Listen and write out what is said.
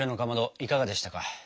いかがでしたか？